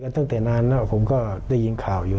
ตั้งแต่นานแล้วผมก็ได้ยินข่าวอยู่